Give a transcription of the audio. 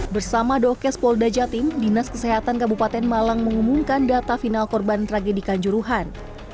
bersama dokes polda jatim dinas kesehatan kabupaten malang mengumumkan data final korban tragedi kanjuruhan